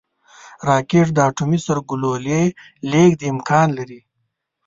راکټ د اټومي سرګلولې لیږد امکان لري